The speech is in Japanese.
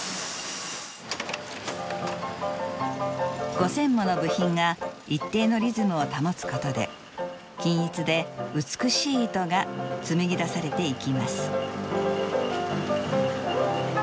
５，０００もの部品が一定のリズムを保つことで均一で美しい糸が紡ぎ出されていきます。